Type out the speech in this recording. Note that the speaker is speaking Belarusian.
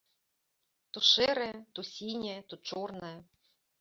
То шэрая, то сіняя, то чорная.